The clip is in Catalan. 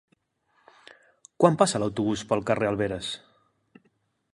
Quan passa l'autobús pel carrer Alberes?